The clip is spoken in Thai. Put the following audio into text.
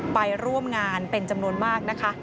ไปร่วมงานเป็นจำนวนมากนะคะ